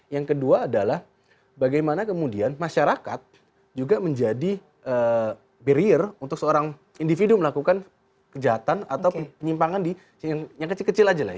yang kedua adalah bagaimana kemudian masyarakat juga menjadi barrier untuk seorang individu melakukan kejahatan atau penyimpangan yang kecil kecil aja lah